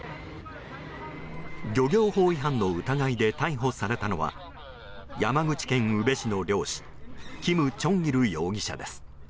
漁業法違反の疑いで逮捕されたのは山口県宇部市の漁師キム・チョンギル容疑者です。